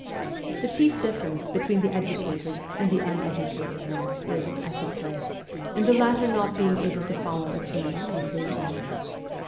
The chief difference between the educated and the uneducated man is, I should say, in the latter not being able to follow a chain of conclusions.